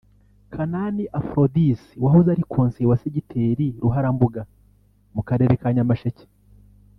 Kanani Aphrodis wahoze ari konseye wa Segiteri Ruharambuga mu karere ka Nyamasheke